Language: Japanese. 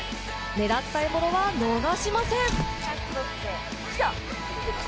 狙った獲物は逃しません。